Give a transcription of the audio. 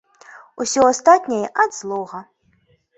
Усё астатняе ад злога.